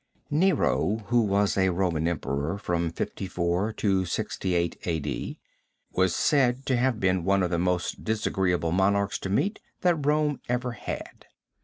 Nero, who was a Roman Emperor from 54 to 68 A.D., was said to have been one of the most disagreeable monarchs to meet that Rome ever had.